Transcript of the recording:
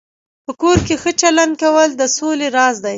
په کور کې ښه چلند کول د سولې راز دی.